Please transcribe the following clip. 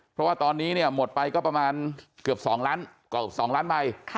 เพราะว่าตอนนี้เนี่ยหมดไปก็ประมาณเกือบ๒ล้านใบ